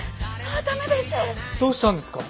どうしたんですか？